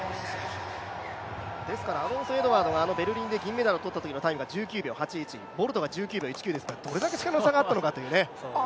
ですから、アロンソ・エドワードはベルリンで銀メダルをとったときのタイムが１９秒８１ボルトが１９秒１９ですから、どれだけ力の差があったのかというね。